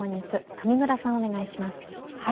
上村さんお願いします。